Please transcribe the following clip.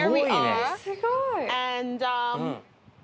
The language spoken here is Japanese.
すごいね。